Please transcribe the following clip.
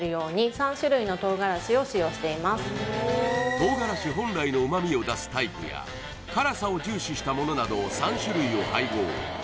唐辛子本来の旨味を出すタイプや辛さを重視したものなど３種類を配合